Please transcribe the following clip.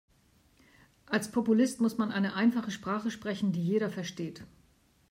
Als Populist muss man eine einfache Sprache sprechen, die jeder versteht.